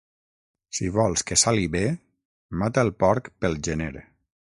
Si vols que sali bé, mata el porc pel gener.